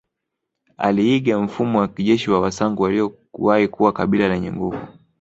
Aliiga mfumo wa kijeshi wa wasangu waliowahi kuwa kabila ldnye nguvu